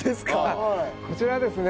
こちらですね